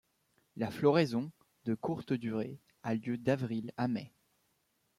La floraison, de courte durée, a lieu d'avril à mai.